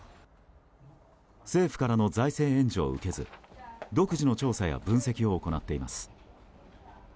政府からの財政援助を受けず独自の調査や分析を行っています。